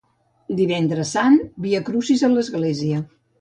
Divendres Sant Viacrucis a l'església.